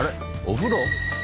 お風呂？